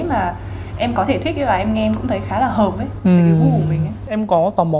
mà em có thể thích và em nghe cũng thấy khá là hợp với cái gũi của mình